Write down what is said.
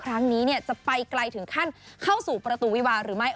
ครั้งนี้จะไปไกลถึงขั้นเข้าสู่ประตูวิวาหรือไม่